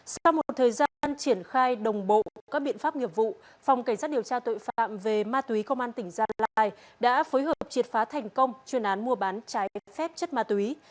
sau một thời gian triển khai đồng bộ các biện pháp nghiệp vụ phòng cảnh sát điều tra tội phạm về ma túy công an tỉnh gia lai đã phối hợp triệt phá thành công chuyên án mua bán trái phép chất ma túy